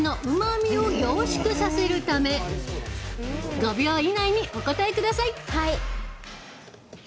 ５秒以内にお答えください。